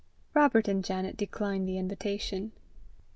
Robert and Janet declined the invitation.